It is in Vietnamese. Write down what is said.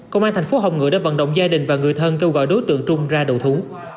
công an thành phố hồng ngự đã vận động gia đình và người thân kêu gọi đối tượng trung ra đầu thú